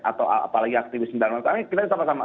atau apalagi aktivis kita sama sama